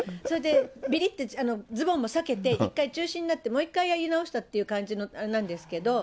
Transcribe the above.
びりってズボンも裂けて、一回中止になって、もう一回やり直したっていうあれなんですけど。